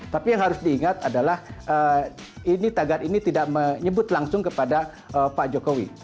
tapi yang harus diingat adalah tagar ini tidak menyebut langsung kepada pak jokowi